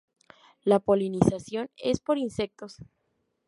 La polinización es por insectos.